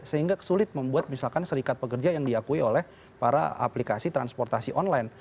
sehingga sulit membuat misalkan serikat pekerja yang diakui oleh para aplikasi transportasi online